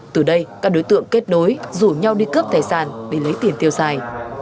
từ đây các đối tượng kết đối rủ nhau đi cướp thầy sản để lấy tiền tiêu xài